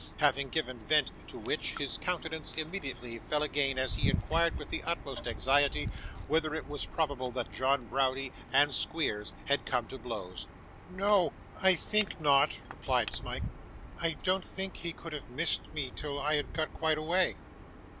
having given vent to which, his countenance immediately fell again as he inquired, with the utmost anxiety, whether it was probable that John Browdie and Squeers had come to blows. 'No! I think not,' replied Smike. 'I don't think he could have missed me till I had got quite away.